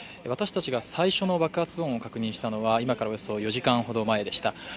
私たちが最初の爆発音を確認したのは今からおよそ４時間ほど前でした。